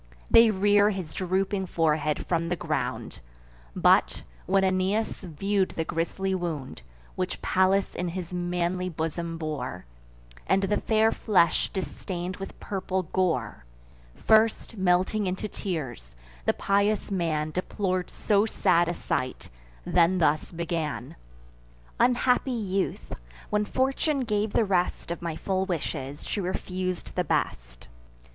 They rear his drooping forehead from the ground; But, when Aeneas view'd the grisly wound Which Pallas in his manly bosom bore, And the fair flesh distain'd with purple gore; First, melting into tears, the pious man Deplor'd so sad a sight, then thus began: "Unhappy youth! when Fortune gave the rest Of my full wishes, she refus'd the best!